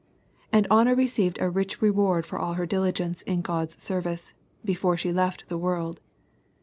And Anna received a rich reward for all her diligence in God's service, before she left the world.